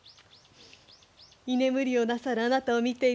居眠りをなさるあなたを見ていたらつい。